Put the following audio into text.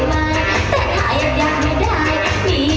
มันดูตาเป็นมันนี่